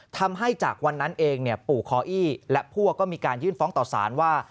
ทำให้จากวันนั้นเองปู่คออี้และพวกก็มีการยื่นฟ้องต่อสารว่า